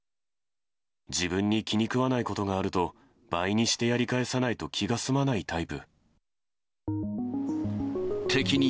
自分に気に食わないことがあると、倍にしてやり返さないと気が済まないタイプ。